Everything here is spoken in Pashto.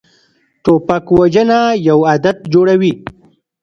توپک وژنه یو عادت جوړوي.